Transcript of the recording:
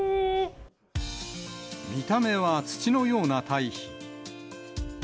見た目は土のような堆肥。